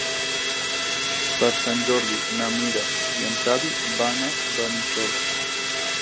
Per Sant Jordi na Mira i en Xavi van a Benissoda.